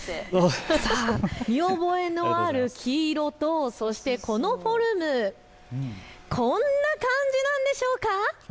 見覚えのある黄色とこのフォルム、こんな感じなんでしょうか。